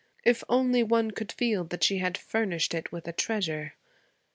If only one could feel that she had furnished it with a treasure.